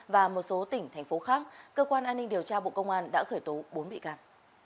và một số tỉnh thành phố khác cơ quan an ninh điều tra bộ công an đã khởi tố bốn bị can